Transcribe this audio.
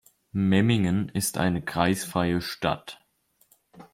Memmingen ist eine kreisfreie Stadt.